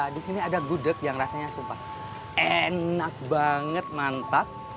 di sini ada gudeg yang rasanya sumpah enak banget mantap